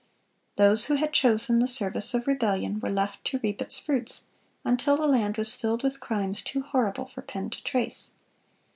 Those who had chosen the service of rebellion, were left to reap its fruits, until the land was filled with crimes too horrible for pen to trace.